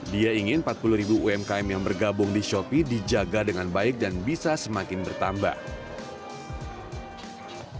dia ingin empat puluh ribu umkm yang bergabung di shopee dijaga dengan baik dan bisa semakin bertambah